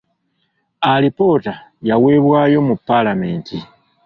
Alipoota yaweebwayo mu Paalamenti.